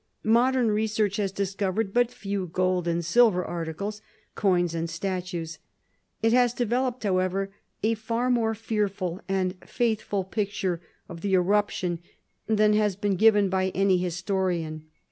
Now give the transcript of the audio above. Modern research has discovered but few gold and silver articles, coins, and statues. It has developed however, a far more fearful and faithful picture of the eruption than has been given by any historian.